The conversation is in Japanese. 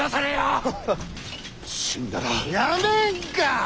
やめんか！